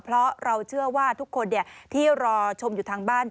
เพราะเราเชื่อว่าทุกคนที่รอชมอยู่ทางบ้าน